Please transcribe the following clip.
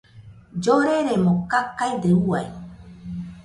Lloreremo kakade uai.